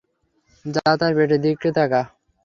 যা তার পেটের দিকে তাকা!